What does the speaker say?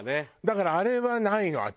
だからあれはないの私は。